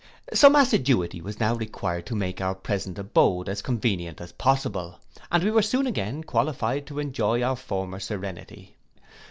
Some assiduity was now required to make our present abode as convenient as possible, and we were soon again qualified to enjoy our former serenity.